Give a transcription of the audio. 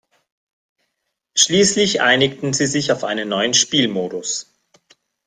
Schließlich einigten sie sich auf einen neuen Spielmodus.